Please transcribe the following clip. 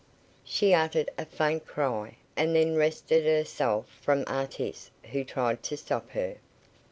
She uttered a faint cry, and then wrested herself from Artis, who tried to stop her.